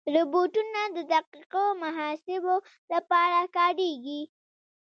روبوټونه د دقیقو محاسبو لپاره کارېږي.